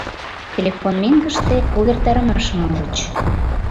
Телефон меҥгыште увертарымашым ужыч.